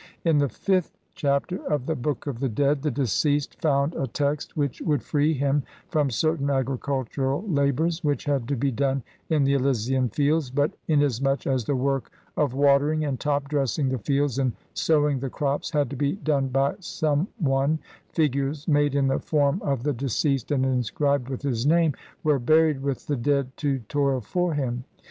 In the Vth THE OBJECT AND CONTENTS, ETC. CLXXI Chapter of the Book of the Dead the deceased found a text which would free him from certain agricultural labours which had to be done in the Elysian fields, but inasmuch as the work of watering and top dress ing the fields and sowing the crops had to be done by some one, figures, made in the form of the de ceased and inscribed with his name, were buried with the dead to toil for him.